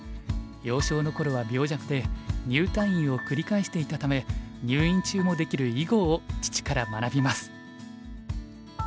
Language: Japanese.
幼少の頃は病弱で入退院を繰り返していたため入院中もできる囲碁を父から学びます。